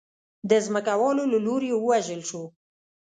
د ځمکوالو له لوري ووژل شو.